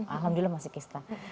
alhamdulillah masih kista